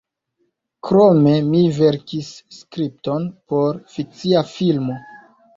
Krome mi verkis skripton por fikcia filmo.